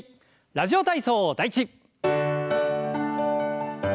「ラジオ体操第１」。